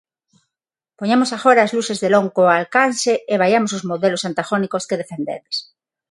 Poñamos agora as luces de longo alcance e vaiamos aos modelos antagónicos que defendedes.